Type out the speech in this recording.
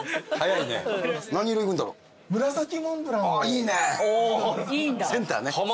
いいねセンターね。